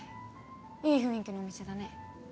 いい雰囲気のお店だね。